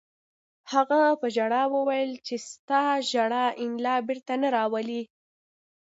هغه په ژړا وویل چې ستا وژل انیلا بېرته نه راولي